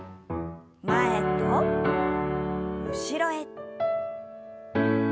前と後ろへ。